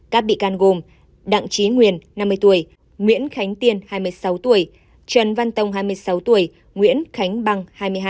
các bị can gồm đặng chí nguyên nguyễn khánh tiên trần văn tông nguyễn khánh băng